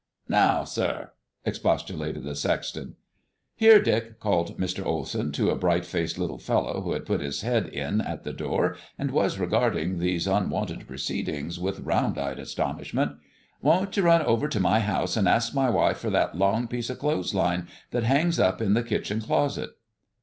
"Now, sir," expostulated the sexton. "Here, Dick!" called Mr. Olsen, to a bright faced little fellow who had put his head in at the door and was regarding these unwonted proceedings with round eyed astonishment; "won't you run over to my house and ask my wife for that long piece of clothes line that hangs up in the kitchen closet?"